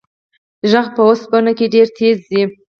غږ په اوسپنه کې ډېر تېز ځي.